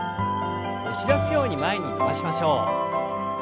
押し出すように前に伸ばしましょう。